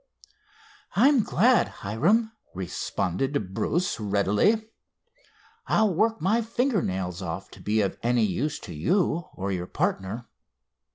"I'm glad, Hiram," responded Bruce readily. "I'll work my finger nails off to be of any use to you, or your partner."